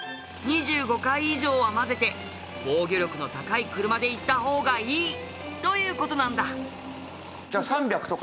２５回以上は混ぜて防御力の高い車で行った方がいいという事なんだ。